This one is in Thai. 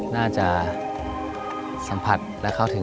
น่าจะสัมผัสและเข้าถึง